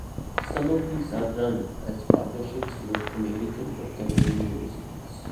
Some of these are run as partnerships with American or Canadian Universities.